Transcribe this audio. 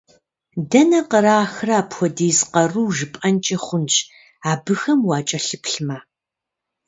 Дэнэ кърахрэ апхуэдиз къару жыпIэнкIи хъунщ, абыхэм уакIэлъыплъмэ!